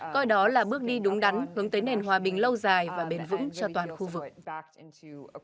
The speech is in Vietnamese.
coi đó là bước đi đúng đắn hướng tới nền hòa bình lâu dài và bền vững cho toàn khu vực